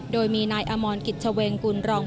โดยมีนายอมรกิจเฉวงกุลรอง